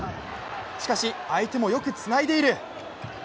しかし、相手もよくつないでいる。